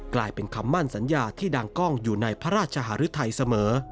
กลายเป็นคำมั่นสัญญาที่ดังกล้องอยู่ในพระราชหารุทัยเสมอ